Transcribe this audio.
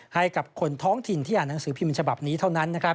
ให้กับคนท้องถิ่นที่อ่านหนังสือพิมพ์ฉบับนี้เท่านั้น